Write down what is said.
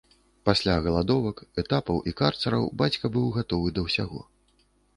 Пасля галадовак, этапаў і карцараў бацька быў гатовы да ўсяго.